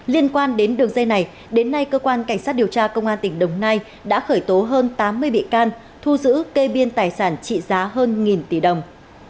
liên quan đến đường dây này đến nay cơ quan cảnh sát điều tra công an tỉnh đồng nai đã khởi tố hơn tám mươi bị can thu giữ kê biên tài sản trị giá hơn nghìn tỷ đồng